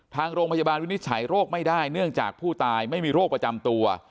ทางโรงพยาบาลวินิจฉัยโรคไม่ได้เนื่องจากผู้ตายไม่มีโรคประจำตัว